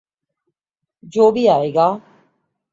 جو بھی آئے گا۔